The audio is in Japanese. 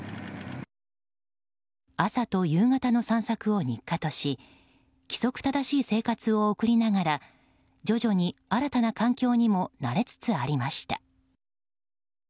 朝と夕方の散策を日課とし規則正しい生活を送りながら徐々に新たな環境にも慣れつつありました。